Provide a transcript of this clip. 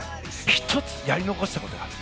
１つ、やり残したことがある。